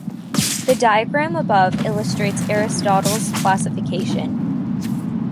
The diagram above illustrates Aristotle's classification.